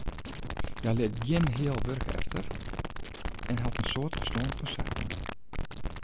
Hja lit gjin heal wurk efter en hat in soad ferstân fan saken.